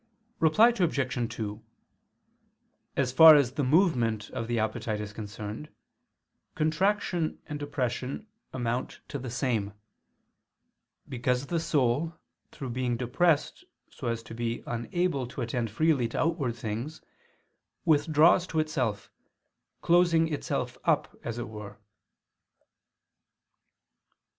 Reply Obj. 2: As far as the movement of the appetite is concerned, contraction and depression amount to the same: because the soul, through being depressed so as to be unable to attend freely to outward things, withdraws to itself, closing itself up as it were.